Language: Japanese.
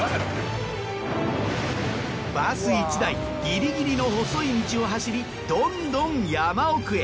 バス１台ギリギリの細い道を走りどんどん山奥へ。